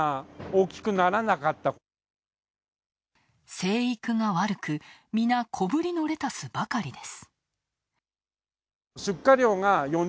生育が悪く、みな小ぶりのレタスばかりです。